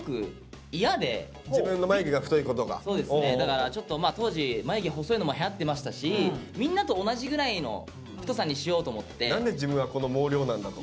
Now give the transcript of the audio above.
そうですねだからちょっと当時眉毛細いのもはやってましたしみんなと同じぐらいの太さにしようと思って。